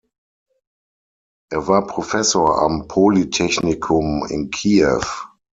Er war Professor am Polytechnikum in Kiew.